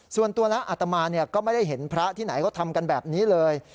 ส่วนตัวแล้วอัตมาก็ไม่ได้เห็นพระที่ไหนเขาทำกันแบบนี้เลย